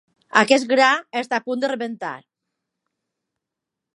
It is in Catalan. Aquest gra està a punt de rebentar.